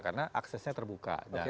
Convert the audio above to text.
karena aksesnya terbuka